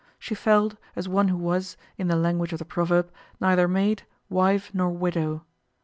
She felt, as one who was, in the language of the proverb, neither maid, wife nor widow.